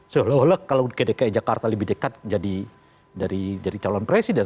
seolah olah kalau ke dki jakarta lebih dekat jadi calon presiden